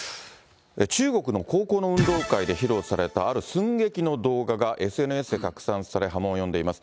中国の高校の運動会で披露されたある寸劇の動画がＳＮＳで拡散され、波紋を呼んでいます。